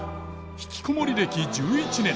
ひきこもり歴１１年。